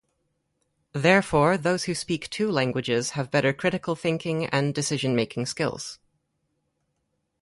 Therefore, those who speak two languages have better critical thinking and decision making skills.